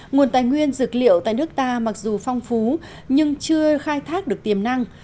nguồn tài nguyên dược liệu tại nước ta mặc dù phong phú nhưng chưa khai thác được tiềm năng